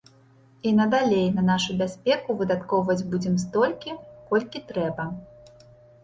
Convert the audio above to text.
І надалей на нашу бяспеку выдаткоўваць будзем столькі, колькі трэба.